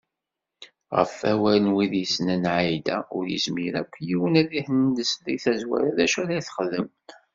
Ɣef wawal n wid yessnen Ai-Da, ur yezmir akk yiwen ad ihendez seg tazwara d acu ara d-texdem.